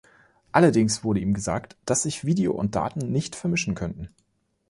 Allerdings wurde ihm gesagt, dass sich Video und Daten nicht vermischen könnten.